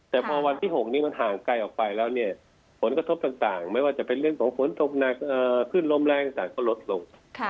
แต่พอวันที่๖นี้มันห่างไกลออกไปแล้วเนี่ยผลกระทบต่างไม่ว่าจะเป็นเรื่องของฝนตกหนักขึ้นลมแรงต่างก็ลดลง